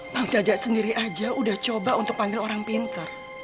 mau jajak sendiri aja udah coba untuk panggil orang pintar